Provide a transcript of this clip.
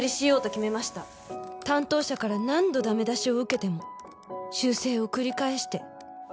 担当者から何度ダメ出しを受けても修正を繰り返して。